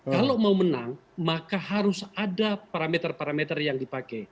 kalau mau menang maka harus ada parameter parameter yang dipakai